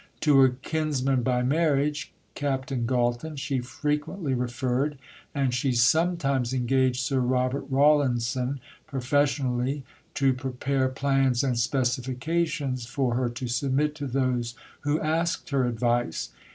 To her kinsman by marriage, Captain Galton, she frequently referred; and she sometimes engaged Sir Robert Rawlinson professionally to prepare plans and specifications for her to submit to those who asked her advice.